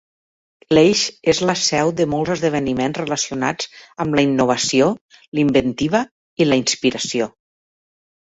L"eix és la seu de molts esdeveniments relacionats amb la innovació, l"inventiva i la inspiració.